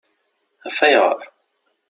Af ayɣeṛ?